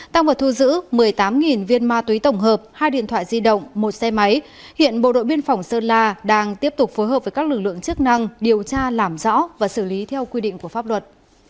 tăng vật thu giữ một mươi tám viên ma túy tổng hợp hai điện thoại di động một xe máy hiện bộ đội biên phòng sơn la đang tiếp tục phối hợp với các lực lượng chức năng điều tra làm rõ và xử lý theo quy định của pháp luật